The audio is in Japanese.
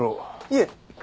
いえ。